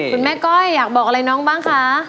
ก้อยอยากบอกอะไรน้องบ้างคะ